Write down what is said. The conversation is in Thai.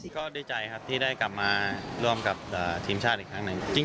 ก็ดีใจครับที่ได้กลับมาร่วมกับทีมชาติอีกครั้งหนึ่ง